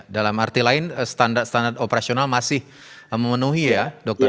dalam arti lain standar standar operasional masih memenuhi ya dokter